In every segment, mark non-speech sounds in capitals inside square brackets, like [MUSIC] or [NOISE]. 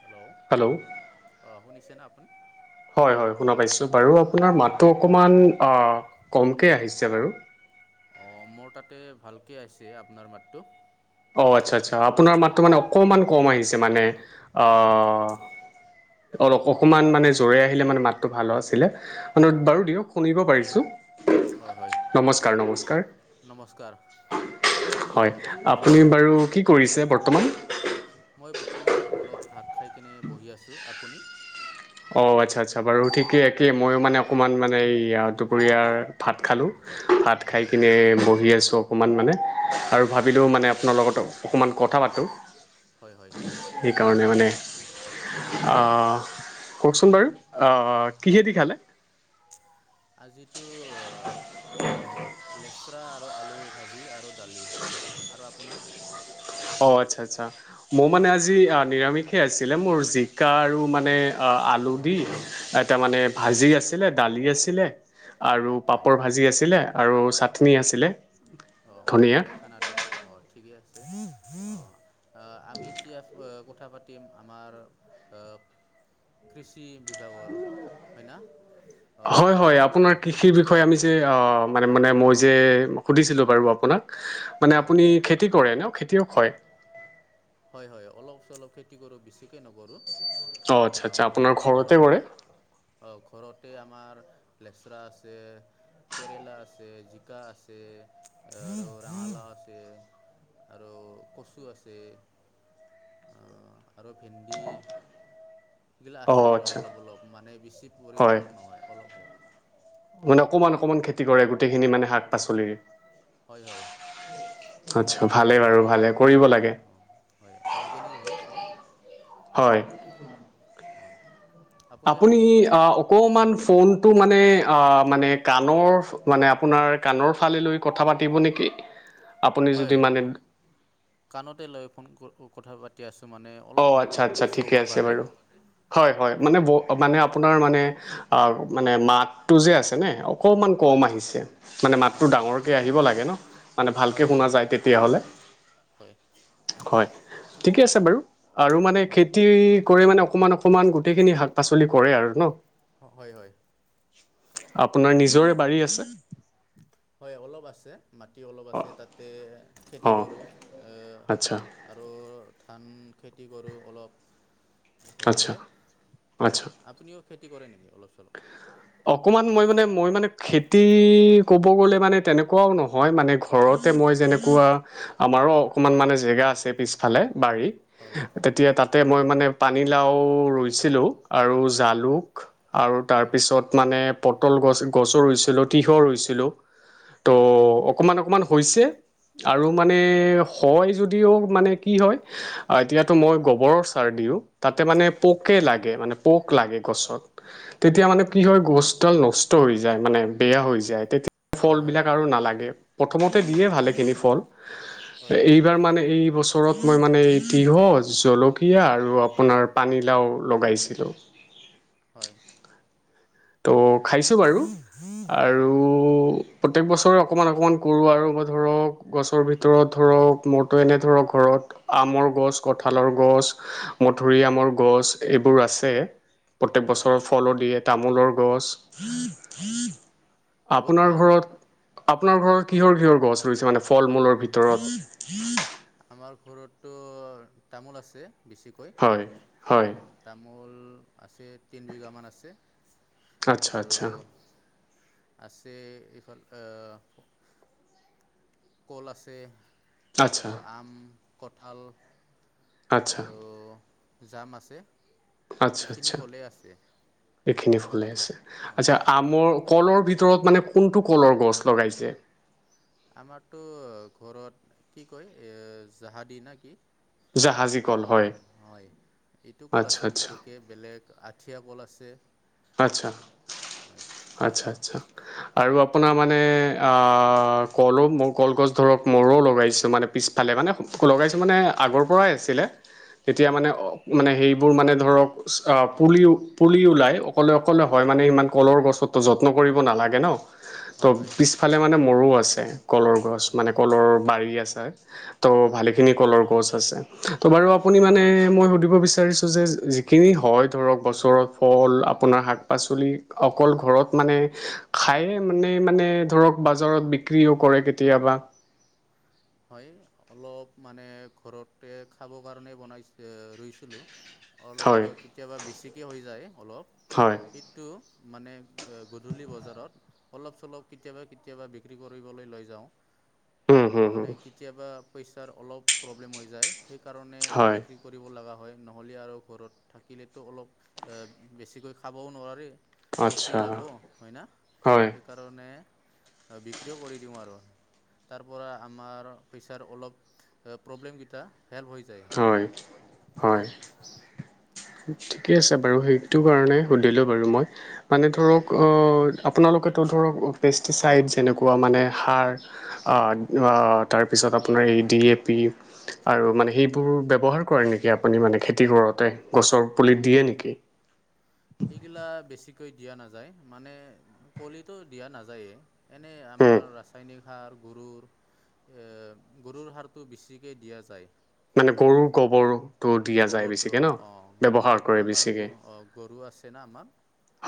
Hello! অ', শুনিছেনে আপুনি? হয়, হয়, শুনা পাইছোঁ, বাৰু আপোনাৰ মাতটো অকণমান আ, কমকে আহিছে বাৰু। অ', মোৰ তাতে ভালকে আহিছে আপোনাৰ মাতটো। অ', আচ্ছা, আচ্ছা আপোনাৰ মাতটো অঁ মানে অকমান কম আহিছে মানে আ অঁ অল-অকমান মানে জোৰে আহিলে মানে মাতটো ভাল আছিলে, অঁ বাৰু দিয়ক শুনিব পাৰিছোঁ। হয় হয় নমস্কাৰ, নমস্কাৰ নমস্কাৰ হয়। আপুনি বাৰু কি কৰিছে বৰ্তমান? মই বৰ্তমান অলপ ভাত খাইকেনে বহি আছোঁ, আপুনি? অ', আচ্ছা, আচ্ছা বাৰু ঠিকেই একেই ময়ো মানে অকণমান মানে এইয়া দুপৰীয়াৰ ভাত খালোঁ। ভাত খাই হয় কিনে বহি আছোঁ অকণমান মানে আৰু অঁ ভাবিলোঁ মানে আপোনাৰ লগত অকণমান কথা পাতোঁ। হয়, হয়। সেইকাৰণে মানে আ কওঁকচোন বাৰু আ, কিহেদি খালে? আজিতো [UNINTELLIGIBLE] আৰু আলু ভাজি আৰু দালি আৰু আপোনাৰ? অ', আচ্ছা, আচ্ছা মোৰ মানে আজি আ, নিৰামিষে আছিলে মোৰ জিকা আৰু মানে‌ আ আলু দি তাৰ মানে ভাজি আছিলে, দালি আছিলে, আৰু হয় পাপৰ ভাজি আছিলে, আৰু চাটনি আছিলে, অ ধনিয়া ভালে খানাটো অঁ ঠিকে আছে অঁ। আহ আমি এতিয়া কথা পাতিম আমাৰ আহ কৃষি বিভাগৰ হয় ন? হয় হয় আপোনাৰ কৃষিৰ বিষয়ে আমি যে অ', মানে-মানে মই যে সুধিছিলো বাৰু আপোনাক, মানে হয় আপুনি খেতি কৰে ন? খেতিয়ক হয়? হয় হয়, অলপ চলপ খেতি কৰো, বেছিকে নকৰো। অ', আচ্ছা আচ্ছা, আপোনাৰ ঘৰতে কৰে? [UNINTELLIGIBLE] আমাৰ লেচৰা আছে। কেৰেলা আছে, জিকা আছে, আৰু ৰঙালাও আছে। আৰু কচু আছে। আৰু ভেন্দি এইগিলা অ আছে আৰু আচ্ছা অলপ অলপ, মানে বেছি হয় পৰিমণৰ নহয় অলপ অলপ। মানে অকমান অকমান খেতি কৰে গোটেইখিনি মানে শাক পাচলিৰ। হয় হয়। আচ্ছা ঘৰতে ভালে বাৰু খাব ভালে কাৰণে কৰিব হয়। লাগে অ', হয় অৰ্গেনিক হয় চব। হয়। অঁ আপুনিও আপুনি খেতি কৰে না অকমান ফনটো মানে অ', মানে কাণৰ মানে আপোনাৰ কাণৰ ফালে লৈ কথা পাতিব নেকি? আপুনি হয়, যদি মানে কাণতে লৈ ফোন কথা পাতি আছো। অ', আচ্ছা আচ্ছা, ঠিকে আছে বাৰু, হয় হয় মানে-মানে আপোনাৰ মানে অ মানে মাতটো যে আছে নে অকণমান কম হয় আহিছে মানে মাতটো হয় হয় ডাঙৰকৈ আহিব লাগে ন। মানে ভালকৈ হয় হয় শুনা যায় তেতিয়াহ'লে, হয় হয় ঠিকে আছে বাৰু। আৰু মানে হয় খেতি কৰি মানে অকমান অকমান গোটেইখিনি শাক পাচলি কৰে আৰু ন। অ হয় হয়। আপোনাৰ নিজৰে বাৰী আছে। হয় অলপ আছে মাটি অলপ অ আছে তাতে খেতি অ কৰোঁ। অহ আচ্ছা আৰু ধান খেতি কৰোঁ অলপ। আচ্ছা ঘৰতে আচ্ছা আপুনিও খেতি কৰে নিকি অলপ চলপ অকমান মই মানে মই মানে খেতি কব গ'লে মানে তেনেকুৱাও নহয় মানে ঘৰত মই যেনেকুৱা আমাৰো অকমান মানে জেগা আছে পিছফালে বাৰী হয় তেতিয়া তাতে মই মানে পানীলাও ৰুইছিলোঁ আৰু জালুক আৰু হয় তাৰপিছত মানে পটল গছ গছো ৰুইছিলো তিঁহৰ ৰুইছিলো ত' হয় অকমান অকমান হৈছে আৰু মানে হয় হয় যদিও মানে কি হয় এতিয়াতো মই গোবৰৰ চাৰ দিওঁ তাতে মানে হয় পোকে লাগে মানে পোক লাগে হয় হয় গছত তেতিয়া মানে কি হয় গছডাল নষ্ট হৈ যায় মানে বেয়া হৈ যায় তেতিয়া হয় হয় ফলবিলাক আৰু নালাগে প্ৰথমতে দিয়ে হয় ভালেখিনি ফল হয় এইবাৰ মানে এই বছৰ ওচৰত মই মানে এই তিঁহহ জলকীয়া আৰু আপোনাৰ পানীলাও লগাইছিলোঁ [UNINTELLIGIBLE] হয়। ত' খাইছোঁ বাৰু, আৰু। হয় প্ৰত্যেক বছৰে অকণমান অকণমান কৰোঁ আৰু, মই ধৰক গছৰ ভিতৰত, ধৰক মোৰটো এনে ধৰক ঘৰত। আমৰ গছ, কঁঠালৰ গছ, মধুৰিআমৰ গছ, এইবোৰ আছে। প্ৰত্যেক হয় বছৰ ফললো দিয়ে তামোলৰ গছ। উম হয় উম। বহুত আপোনাৰ ভাল ঘৰত, আপোনাৰ ঘৰত হয় কিহৰ-কিহৰ গছ। ধৰিছে মানে ফল মূলৰ ভিতৰত। আমাৰ ঘৰতো তামোল আছে বেছিকৈ, হয় হয় অহ তামোল। আছে তিনি বিঘা মান আছে। আচ্ছা আৰু আচ্ছা। আছে এইফালে অ'হ, কল আছে। আচ্ছা আৰু আম, কঁঠাল, আচ্ছা আৰু। জাম আছে, আচ্ছা এইখিনি আচ্ছা ফলে আছে। এইখিনি ফলে আছে আচ্ছা অঁ আমৰ। কলৰ ভিতৰত মানে কোনটো কলৰ গছ লগাইছে। আমাৰতো ঘৰত কি কয় এহ জাহাদী না কি। জাহাজী কল অঁ হয়, হয় আচ্ছা আচ্ছা। সখীয়া কল আছে। হয় আচ্ছা-আচ্ছা-আচ্ছা। আৰু আপোনাৰ মানে অ, কলো কলগছ ধৰক মৰো লগাইছোঁ মানে। পিছফালে মানে লগাইছোঁ মানে আগৰ পৰাই আছিলে। তেতিয়া হয় মানে-মানে সেইবোৰ মানে ধৰক পুলি-পুলি ওলাই। অকলে-অকলে হৈ মানে ইমান কলৰ গছো যত্ন কৰিব নালাগে নহ, ত হয় হয় পিছ ফালে মানে মোৰো আছে কলৰ গছ হয় মানে কলৰ বাৰী আছে ত' হয় ভালেখিনি কলৰ গছ ত বাৰু হয় আপুনি মানে মই সুধিব বিচাৰিছোঁ যে যিখিনি হৈ ধৰক গছৰ ফল আপোনাৰ শাক, পাচলি অকল ঘৰত মানে খায়ে মানে-মানে ধৰক বাজাৰত বি বিক্ৰীও কৰে কেতিয়াবা উ [INAUDIBLE] হয় অলপ মানে ঘৰতে খাব কাৰণে বনাই ৰুইছিলো। অলপ হয় আৰু কেতিয়াবা বেছিকে হৈ যায় অলপ, হয় সেইটো মানে গধূলি বজাৰত অলপ চলপ কেতিয়াবা-কেতিয়াবা বিক্ৰী কৰিবলৈ লৈ যাওঁ। [INAUDIBLE] উম, হুম, হুম। মানে কেতিয়াবা পইচাৰ অলপ প্ৰব্লেম হৈ যায় সেইকাৰণে হয় বিক্ৰী কৰিব লগা হয়। নহলে আৰু ঘৰত থাকিলেতো অলপ এ বেছিকৈ খাবও নোৱাৰে। পচি আচ্ছা যাব হয় ন হয় সেইকাৰণে বিক্ৰীও কৰি দিওঁ আৰু, তাৰ পৰা। আমাৰ পইচাৰ অলপ প্ৰব্লেম কেইটা। হয় হয়। ঠিকে আছে বাৰু সেইটো কাৰণে সুধিলো বাৰু মই। মানে অঁ ধৰক অ'। আপোনালোকেতো ধৰক পেষ্টিচাইড যেনেকুৱা মানে সাৰ অ', অ', তাৰপিছত। পিছত আপোনাৰ এ, তি, এ, পি আৰু মানৱ এইবোৰ ব্ৱহাৰ কৰে নেকি আপুনি মানে খেতি কৰোতে গছৰ পুলি দিয়ে নেকি? সেইগিলা বেছিকৈ দিয়া নাযায় মানে কলিটো দিয়া নাযায়েই এনে। উম, আমাৰ ৰাসায়নিক সাৰ গৰুৰ এ গৰুৰ সাৰটো বেছিকে দিয়া যায়। মানে গৰুৰ গোবৰ? গোবৰটো অ', অ', গ কৰে আমাৰ বেছিকৈ অ গৰু আছে না আমাৰ।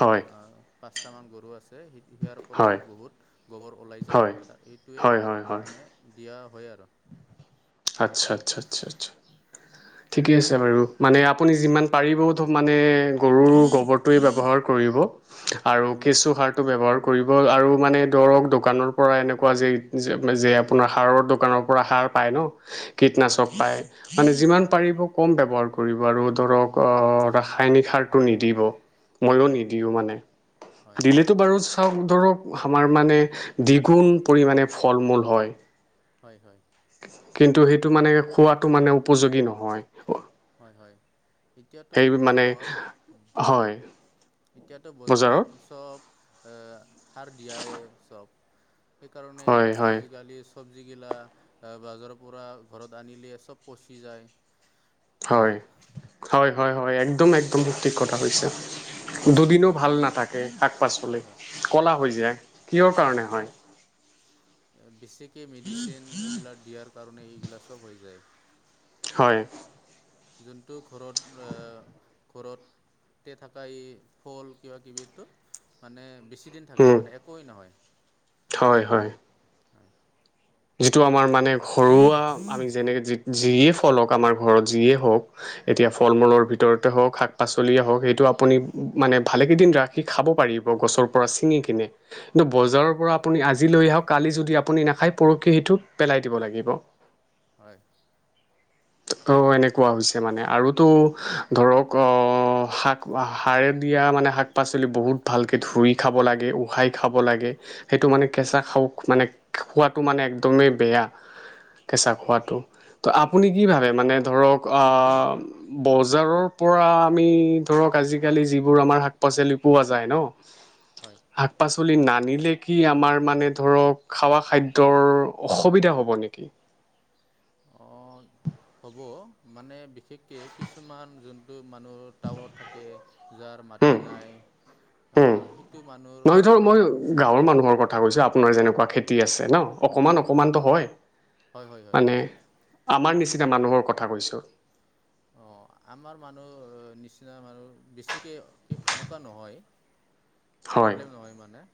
হয় পাঁচটা মান গৰু আছে। সেই পৰাই হয় বহুত গোবৰ ওলাই যায় হয় এইটোৱে হয় হয় হয় মানে দিয়া হয় আৰু আচ্ছা আচ্ছা আচ্ছা আচ্ছা। ঠিকে আছে বাৰু মানে আপুনি যিমান পাৰিবও মানে গৰুৰ গোবৰটোৱে ব্যৱহাৰ কৰিব। আৰু হয়, কিছু সাৰ ব্যৱহাৰ কৰিব আৰু মানে ধৰক দোকানৰ পৰা এনেকুৱা যে আপোনাৰ সাৰৰ দোকানৰ সাৰ পাই ন মানে যি হয়, কৃটনাশক পাই‌ মানে যিমান হয়, পাৰিব কম ব্যৱহাৰ কৰিব আৰু ধৰক অ' ৰাসায়নিক সাৰটো নিদিব। ময়ো হয়, হয়, নিদিও মানে হয়, দিলেতো বাৰু চাওক ধৰক আমাৰ মানে দ্বিগুণ পৰিমানে ফল মূল হয়। হয় হয়। কিন্তু সেইটো মানে খোৱাটো মানে উপযোগী নহয়। হয় হয়। এতিয়াতো সেই মানে হয় বজাৰত এতিয়াতো বজাৰৰ বজাৰত চব সাৰ দিয়াই চব সেইকাৰণে হয় হয় আজিকালি চবজি গিলা বজাৰৰ পৰা ঘৰত আনিলে চব পচি যায়। হয়নে? হয় হয় হয় হয় একদম একদম সঠিক কথা হৈছে। অ', দুদিনো ভাল নাথাকে শাক পাচলি হয়, হয়, কলা হৈ যায়। কিয়ৰ কাৰণে হয়? বেছিকৈ মেডিচিন এইগিলাক দিয়াৰ কাৰণে এইগিলা চব হৈ যায়। হয়। যোনটো ঘৰত ঘৰত তে থকা এই ফল কিবা কিবিটো মানে বেছি দিন থাকে উম মানে একেই নহয়। হয় হয়। হয় যিটো আমাৰ মানে ঘৰুৱা আমি যেনেকে যিয়ে ফল হওঁক আমাৰ ঘৰত যিয়ে হওঁক এতিয়া ফল হয় মূলৰ ভিতৰত, হওঁক, শাক পাচলিয়ে হওঁক সেইটো আপুনি মানে ভালেকেইদিন ৰাখি খাব পাৰিব গছৰ পৰা ছিঙি কিনে। কিন্তু হয় বজাৰৰ পৰা আপুনি আজি লৈ আহক, কালি যদি আপুনি নাখায় পৰখি সেটো পেলাই দিব লাগিব। হয়। ত'এনেকুৱা মানে আৰুতো ধৰক অ' শাক সাৰে দিয়া মানে শাক পাচলি বহুত ভালকে ধুই খাব লাগে, উহাই খাব লাগে। সেইটো মানে কেঁচা খাওক মানে খোৱাটো মানে একদমেই বেয়া। কেঁচা হয় খোৱাটো। ত' আপুনি কি ভাবে মানে ধৰক আ' বজাৰৰ পৰা আমি ধৰক আজিকালি যিবোৰ আমাৰ শাক পাচলি পোৱা যায় ন। হয় শাক পাচলি নানিলে কি আমাৰ মানে ধৰক খাৱা খাদ্য ৰ অসুবিধা হ'ব নেকি? অঁ হ'ব মানে বিশেষকে কিছুমান যোনটো মানুহ টাউনত থাকে যাৰ মাটি নাই। আ' সেইটো মানুহৰ নহয় ধৰ মানে মই গাঁৱৰ মানুহৰ কথা কৈছে আপোনাৰ যেনেকুৱা খেতি আছে অঁ ন, অকমান অকমানতো হয় হয় হয় হয় মানে আমাৰ নিচিনা মানুহৰ কথা কৈছোঁ। অ'। আমাৰ মানুহ নিচিনা মানুহ বেছিকৈ এনেকুৱা নহয়। প্ৰব্লেম নহয় মানে।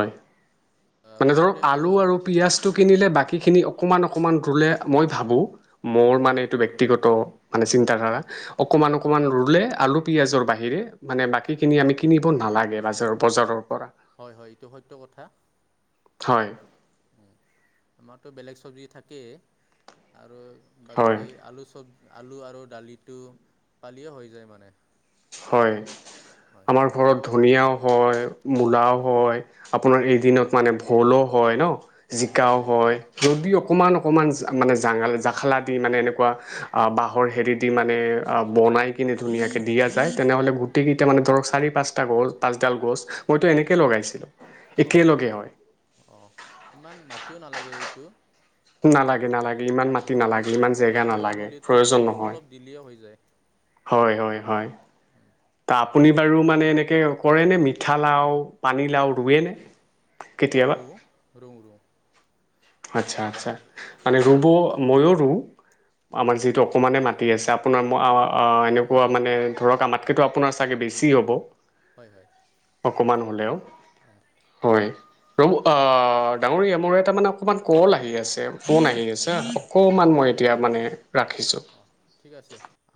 যেনে ধৰক প্ৰব্লেমটো আলু হ'ল আৰু পিয়াজটো কিনিলে বা বাকীখিনি অকমান অকমান ৰুলে মই ভাবোঁ, মোৰ মানে অঁ এইটো ব্যক্তিগত মানে চিন্তা ধাৰা, অকমান অকমান ৰুলে আলু পিয়াজঁৰ বাহিৰে মানে বাকি খিনি আমি কিনিব ন নালাগে বাজ বজাৰৰ পৰা। হয় হয়, এইটো সত্য কথা। হয়। আমাৰতো বেলেগ চবজি থাকেই আৰু হয় বাকী আলু চব আলু আৰু দালিটো পালিয়ে হৈ যায় মানে। হয়, হয় আমাৰ ঘৰত ধনীয়া হয়, মূলাও হয়, আপোনাৰ এইকেদিনত মানে ভোলো হয় ন। জিকাও হয়। যদিও অকমান অকমান জাঙ মানে জাঙেলা জাখলা দি মানে এনেকুৱা বাঁহৰ হেৰি দি মানে আ' ব বনাই কিনে ধুনীয়াকে দিয়া যায়, তেনেহ'লে গুটিকেইটা মানে ধৰক, চাৰি পাঁচটা গছ, পাঁচডাল গছ মইতো এনেকে লগাইছিলোঁ। অ, একেলগে হয় অ, ইমান মাতিও নালাগে এইটো। নালাগে নালাগে। ইমান মাটি অঁ আৰু নালাগে, ইমান কম জেগা পৰিয়াল নালাগে, হ'লেতো প্ৰয়োজন অলপ নহয়। অলপ দিলেই হৈ যায় হয়, হয়, হয়। ত আপুনি বাৰু মানে এনেকে কৰেনে, মিঠা লাও পানীলাও ৰুৱেনে? অ', কেতিয়াবা ৰুও, ৰুও, ৰুও। আচ্ছা আচ্ছা, মানে ৰুব ময়ো ৰুও, হয় আমাৰ যিহেতু অকমানে মাট টি আছে আপোনাৰ আ' এনেকুৱা মানে ধৰক, আমাতকেতো আপোনাৰ চাগে বেছি হ'ব। হয় হয়। অকমান হ'লেও। অঁ হয়, প্ৰভু, অ, ডাঙৰীয়া মোৰ এটা মানে অকমান কল আহি আছে ফোন আহি আছে। এ অঁ অকমান মই ঠিক এতিয়া আছে মানে ৰাখিছো। অঁ ঠিক আছে